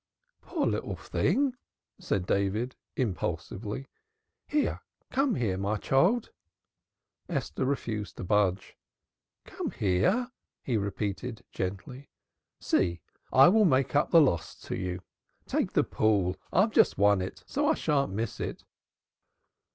"Poor little thing!" said David impulsively. "Here, come here, my child."' Esther refused to budge. "Come here," he repeated gently. "See, I will make up the loss to you. Take the pool. I've just won it, so I shan't miss it."